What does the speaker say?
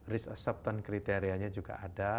risk acceptance kriterianya juga ada